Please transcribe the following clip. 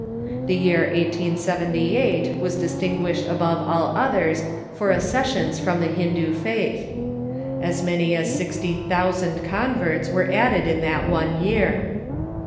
The year 1878 was distinguished above all others for accessions from the Hindu faith. As many as sixty thousand converts were added in that one year.